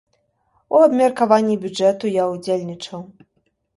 У абмеркаванні бюджэту я ўдзельнічаў.